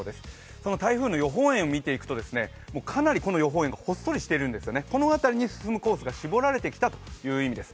その台風の予報円を見ていくとかなりこの予報円がこの辺りに進むコースが絞られてきたということです。